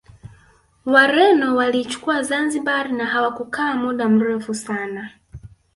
Wareno waliichukua Zanzibar na hawakukaa muda mrefu sana